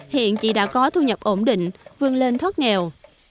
hiện chị đã có thu nhập ổn định vươn lên thoát nghèo